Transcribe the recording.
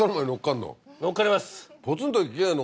のっかります。